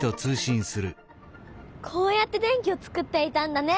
こうやって電気をつくっていたんだねファンファン。